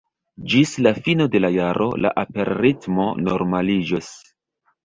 Ĝis la fino de la jaro la aperritmo normaliĝos.